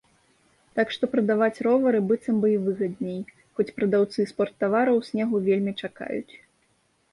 Так што прадаваць ровары быццам бы і выгадней, хоць прадаўцы спорттавараў снегу вельмі чакаюць.